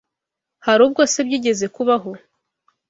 Hari ubwo se byigeze kubaho